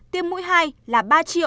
tiêm mũi hai là